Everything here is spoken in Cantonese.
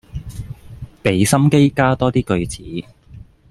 俾心機加多啲句子